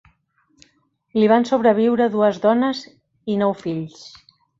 Li van sobreviure dues dones i nou fills.